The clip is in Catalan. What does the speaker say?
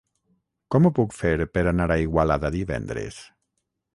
Com ho puc fer per anar a Igualada divendres?